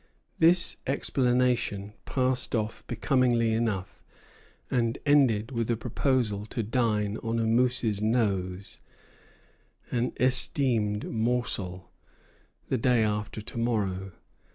This explanation passed off becomingly enough, and ended with a proposal to dine on a moose's nose [an estimed morsel] the day after to morrow.